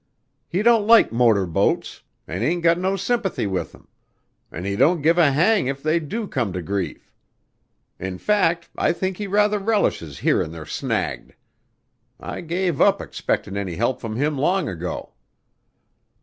He don't like motor boats an' ain't got no sympathy with 'em, an' he don't give a hang if they do come to grief. In fact, I think he rather relishes hearin' they're snagged. I gave up expectin' any help from him long ago."